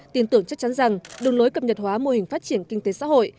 tin tưởng chắc chắn rằng đường lối cập nhật hóa mô hình phát triển kinh tế xã hội